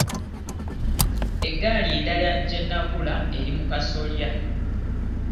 Eggaali endala gye nnagula eri mu kasolya.